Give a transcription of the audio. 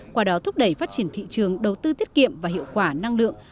qua đó thúc đẩy phát triển thị trường đầu tư tiết kiệm và hiệu quả năng lượng